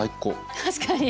確かに！